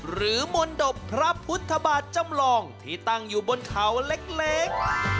มนตบพระพุทธบาทจำลองที่ตั้งอยู่บนเขาเล็ก